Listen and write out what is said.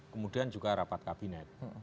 kemudian juga rapat kabinet